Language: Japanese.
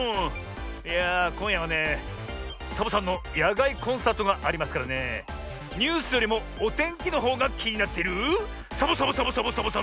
いやあこんやはねサボさんのやがいコンサートがありますからねえニュースよりもおてんきのほうがきになっているサボサボサボサボサボさんだ